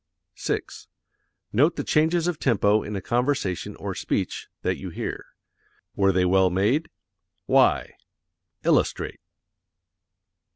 6. Note the changes of tempo in a conversation or speech that you hear. Were they well made? Why? Illustrate.